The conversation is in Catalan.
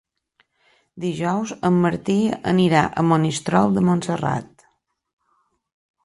Dijous en Martí anirà a Monistrol de Montserrat.